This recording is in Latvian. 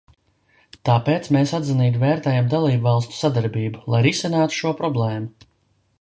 Tāpēc mēs atzinīgi vērtējam dalībvalstu sadarbību, lai risinātu šo problēmu.